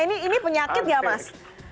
ini penyakit tidak mas